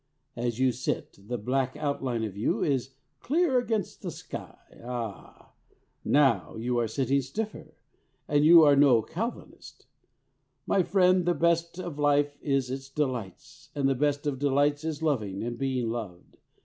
As you sit, the black outline of you is clear against the sky. Ah! now you are sitting stiffer. But you are no Calvinist. My friend, the best of life is its delights, and the best of delights is loving and being loved.